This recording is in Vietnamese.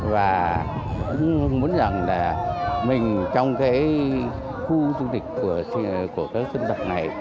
và muốn rằng là mình trong cái khu dung tịch của các dân tộc này